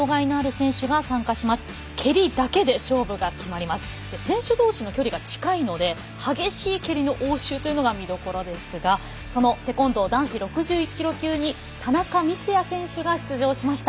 選手同士の距離が近いので激しい蹴りの応酬というのが見どころですがそのテコンドー男子６１キロ級に田中光哉選手が出場しました。